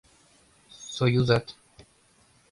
Союзат